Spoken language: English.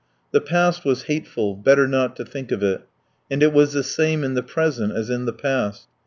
The past was hateful better not to think of it. And it was the same in the present as in the past.